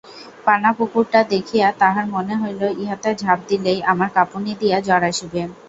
পানাপুকুরটা দেখিয়া তাহার মনে হইল, ইহাতে ঝাঁপ দিলেই আমার কাঁপুনি দিয়া জ্বর আসিবে।